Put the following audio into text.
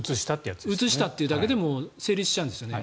移したというだけでも成立しちゃうんですよね。